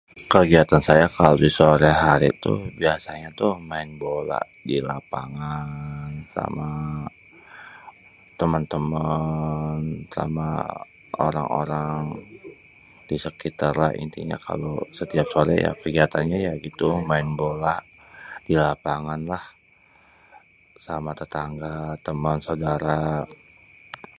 Kegiatan saya kalo di soré hari itu biasanya tuh maén bola di lapangan sama temen-temen sama orang-orang di sekitaran. Intinya kalo setiap sore kegiatannya ya gitu maen bola di lapangan lah sama tetangga, temen, saudara.